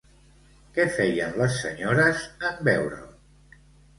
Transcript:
Què feien les senyores en veure'l?